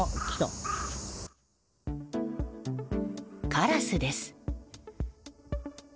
カラスです。